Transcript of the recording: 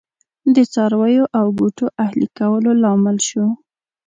د څارویو او بوټو اهلي کولو لامل شو